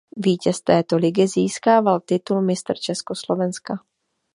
Vítěz této ligy získával titul mistr Československa.